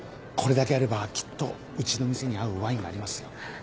これだけあればきっとうちの店に合うワインがありますよ。